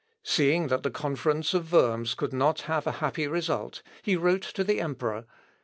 Seeing that the conference of Worms could not have a happy result, he wrote to the emperor.